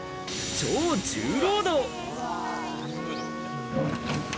超重労働。